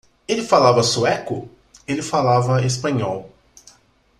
Ela falava sueco? ele falava espanhol.